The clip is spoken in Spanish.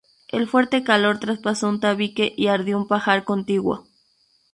El fuerte calor traspasó un tabique y ardió un pajar contiguo.